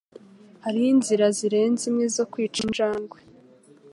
Hariho inzira zirenze imwe zo kwica injangwe.